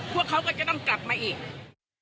พวกเขาก็จะต้องกลับมาอีก